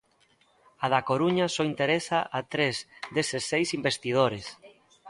A da Coruña só interesa a tres deses seis investidores.